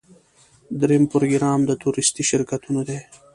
دریم پروګرام د تورېستي شرکتونو دی.